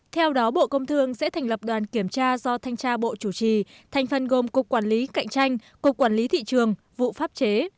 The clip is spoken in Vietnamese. theo đó bộ công thương sẽ thành lập đoàn kiểm tra do thanh tra bộ chủ trì thành phần gồm cục quản lý cạnh tranh cục quản lý thị trường vụ pháp chế